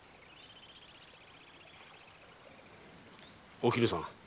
お絹さん